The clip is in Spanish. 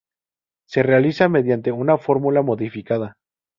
Se realiza mediante una fórmula modificada.